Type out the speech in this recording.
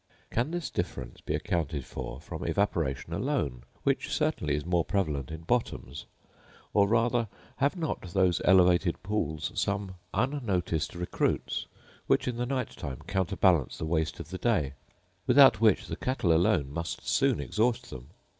Can this difference be accounted for from evaporation alone, which certainly is more prevalent in bottoms ? or rather have not those elevated pools some unnoticed recruits, which in the night time counterbalance the waste of the day; without which the cattle alone must soon exhaust them